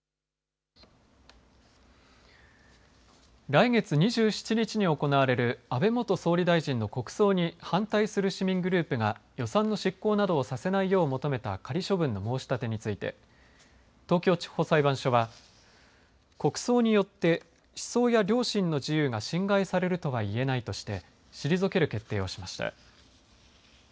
来月２７日に行われる安倍元総理大臣の国葬に反対する市民グループが予算の執行などをさせないよう求めた仮処分の申し立てについて東京地方裁判所は国葬によって思想や良心の自由が侵害されるとはいえないとして退ける決定をしました。